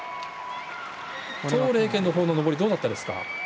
とう麗娟のほうの登りどうだったですか？